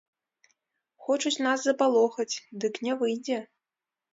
Хочуць нас запалохаць, дык не выйдзе.